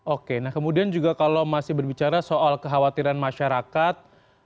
oke nah kemudian juga kalau masih berbicara soal kekhawatiran masyarakat